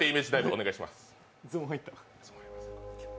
お願いします。